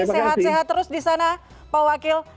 sehat sehat terus di sana pak wakil